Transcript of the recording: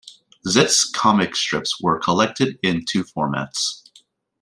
"Zits" comic strips are collected in two formats.